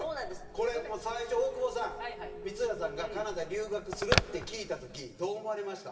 これ最初大久保さん光浦さんがカナダ留学するって聞いた時どう思われました？